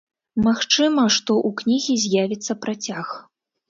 Магчыма, што ў кнігі з'явіцца працяг.